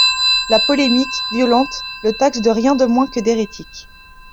La polémique, violente, le taxe de rien de moins que d'hérétique.